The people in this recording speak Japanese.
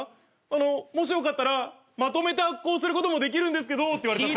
「あのもしよかったらまとめて発行することもできるんですけど」って言われた。